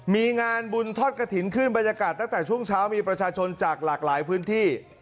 มีงานบุญทอดกระถิ่นขึ้นบรรยากาศตั้งแต่ช่วงเช้ามีประชาชนจากหลากหลายพื้นที่